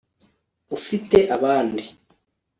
ufite abandi